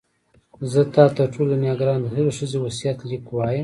زه تا ته تر ټولې دنیا ګرانه د هغې ښځې وصیت لیک وایم.